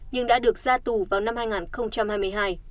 nhưng đã được ra tù vào năm hai nghìn hai mươi hai